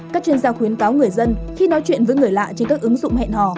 các chuyên gia khuyến cáo người dân khi nói chuyện với người lạ trên các ứng dụng hẹn hò